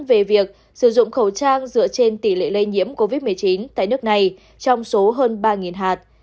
về việc sử dụng khẩu trang dựa trên tỷ lệ lây nhiễm covid một mươi chín tại nước này trong số hơn ba hạt